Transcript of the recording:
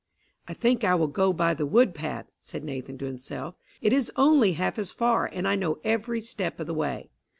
"I think I will go by the wood path," said Nathan to himself. "It is only half as far, and I know every step of the way."